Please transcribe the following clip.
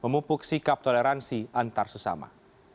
memupuk sikap toleransi antar sesama